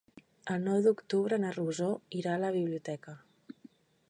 El nou d'octubre na Rosó irà a la biblioteca.